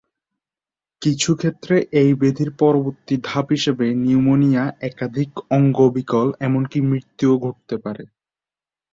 কিছুক্ষেত্রে এই ব্যাধির পরবর্তী ধাপ হিসেবে নিউমোনিয়া, একাধিক অঙ্গ বিকল এমনকি মৃত্যুও ঘটতে পারে।